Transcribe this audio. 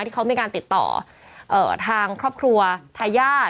ที่เขามีการติดต่อทางครอบครัวทายาท